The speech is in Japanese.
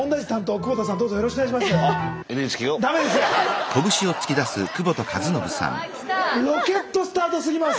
久保田さんロケットスタートすぎます。